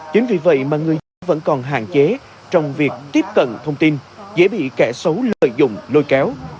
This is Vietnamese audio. chính vì vậy mà người dân vẫn còn hạn chế trong việc tiếp cận thông tin dễ bị kẻ xấu lợi dụng lôi kéo